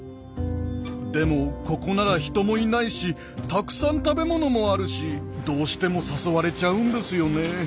でもここなら人もいないしたくさん食べ物もあるしどうしても誘われちゃうんですよね。